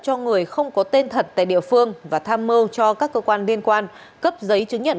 cho người không có tên thật tại địa phương và tham mưu cho các cơ quan liên quan cấp giấy chứng nhận